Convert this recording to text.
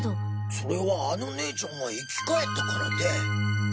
それはあの姉ちゃんが生き返ったからで。